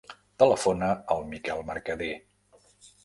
Telefona al Miquel Mercader.